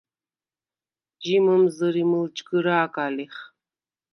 ჟი მჷმზჷრი მჷლჯგჷრა̄გა ლიხ.